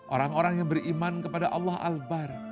orang orang yang beriman kepada allah al bah